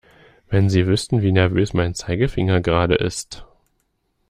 Wenn Sie wüssten, wie nervös mein Zeigefinger gerade ist!